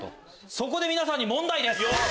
そこで皆さんに問題です。